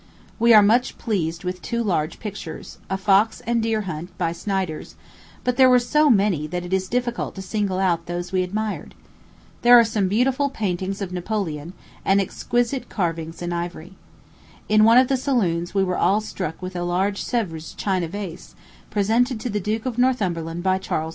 We were much pleased with two large pictures a fox and deer hunt, by Snyders; but there were so many, that it is difficult to single out those we admired. There are some beautiful paintings of Napoleon, and exquisite carvings in ivory. In one of the saloons we were all struck with a large Sevres china vase, presented to the Duke of Northumberland by Charles X.